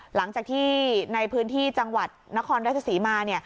หลังจากที่ในพื้นที่จังหวัดนครราชศรีมาเนี่ย